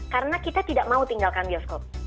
karena kita tidak mau tinggalkan bioskop